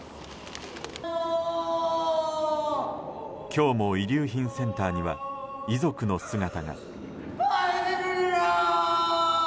今日も遺留品センターには遺族の姿が。